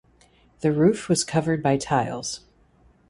The roof was covered by tiles.